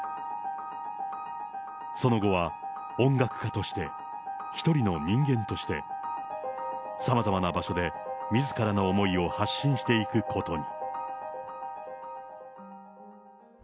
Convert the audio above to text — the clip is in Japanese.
その後は音楽家として、一人の人間として、さまざまな場所でみずからの思いを発信していくことに。